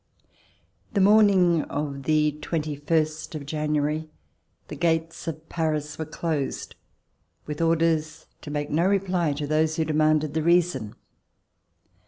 The morning of the twenty first of January, the gates of Paris were closed with orders to make no reply to those who demanded the reason.